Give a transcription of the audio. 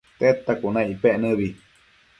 Tedta cuna icpec nëbi